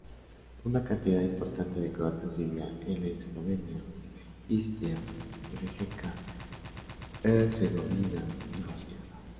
Una cantidad importante de croatas vivía en Eslovenia, Istria, Rijeka, Herzegovina y Bosnia.